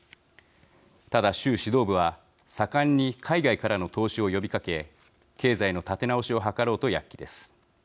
ただ、習指導部は盛んに海外からの投資を呼びかけ経済の立て直しを図ろうと躍起です。